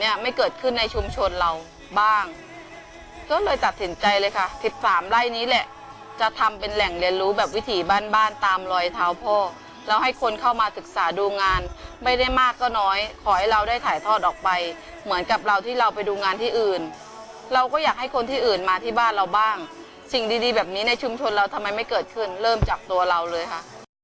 มีความรู้สึกว่ามีความรู้สึกว่ามีความรู้สึกว่ามีความรู้สึกว่ามีความรู้สึกว่ามีความรู้สึกว่ามีความรู้สึกว่ามีความรู้สึกว่ามีความรู้สึกว่ามีความรู้สึกว่ามีความรู้สึกว่ามีความรู้สึกว่ามีความรู้สึกว่ามีความรู้สึกว่ามีความรู้สึกว่ามีความรู้สึกว